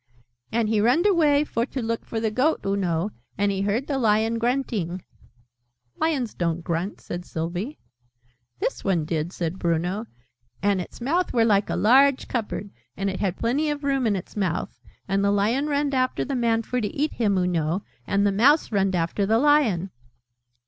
"And he runned away for to look for the Goat, oo know. And he heard the Lion grunting " "Lions don't grunt," said Sylvie. "This one did," said Bruno. "And its mouth were like a large cupboard. And it had plenty of room in its mouth. And the Lion runned after the Man for to eat him, oo know. And the Mouse runned after the Lion."